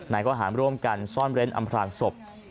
นายก็หาร่วมกันซ่อนเล่นอำพลางศพ